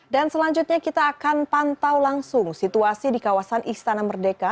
dan selanjutnya kita akan pantau langsung situasi di kawasan istana merdeka